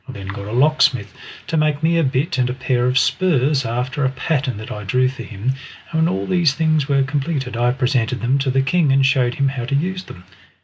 I then got a lock smith to make me a bit and a pair of spurs after a pattern that I drew for him, and when all these things were completed I presented them to the king and showed him how to use them.